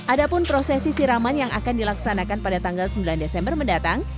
ada pun prosesi siraman yang akan dilaksanakan pada tanggal sembilan desember mendatang